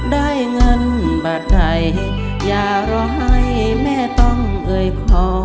ได้เงินบาทใดอย่ารอให้แม่ต้องเอ่ยพอ